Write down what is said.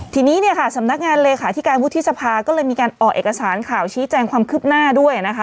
ทีนี้เนี่ยค่ะสำนักงานเลขาธิการวุฒิสภาก็เลยมีการออกเอกสารข่าวชี้แจงความคืบหน้าด้วยนะคะ